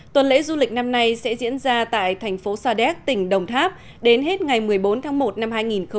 tuần lễ du lịch năm nay sẽ diễn ra tại thành phố sa đéc tỉnh đồng tháp đến hết ngày một mươi bốn tháng một năm hai nghìn hai mươi